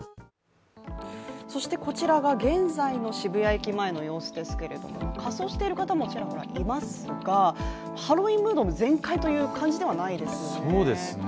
こちらが現在の渋谷駅前の様子ですけれども、仮装している方もちらほらいますがハロウィーンムード全開という感じではないですよね。